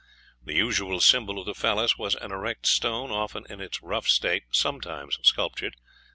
"The usual symbol of the Phallus was an erect stone, often in its rough state, sometimes sculptured."